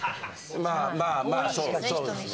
まあまあそうですね。